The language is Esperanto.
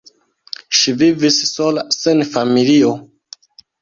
Ŝi vivis sola sen familio.